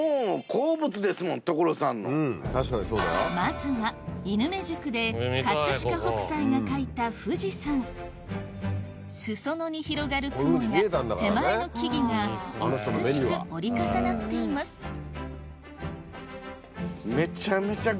まずは犬目宿で葛飾北斎が描いた富士山裾野に広がる雲や手前の木々が美しく織り重なっていますめちゃめちゃ。